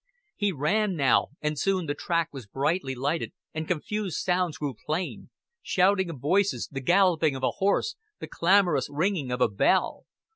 He ran now, and soon the track was brightly lighted and confused sounds grew plain shouting of voices, the galloping of a horse, the clamorous ringing of a bell.